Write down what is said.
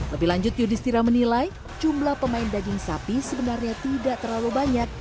lebih lanjut yudhistira menilai jumlah pemain daging sapi sebenarnya tidak terlalu banyak